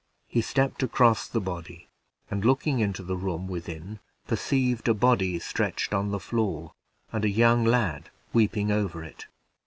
He stepped across the body, and, looking into the room within, perceived a body stretched on the floor, and a young lad weeping over it.